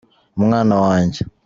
umwana wanjye.